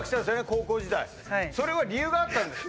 高校時代それは理由があったんです○